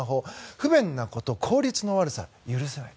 不便なこと、効率の悪さ許せない。